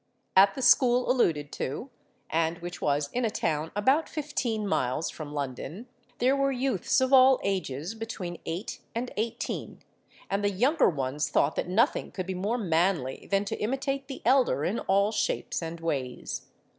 At the school alluded to, and which was in a town about fifteen miles from London, there were youths of all ages between eight and eighteen; and the younger ones thought that nothing could be more manly than to imitate the elder in all shapes and ways.